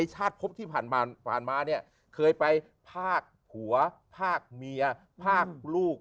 จะไปกินตัวคนที่มาคบ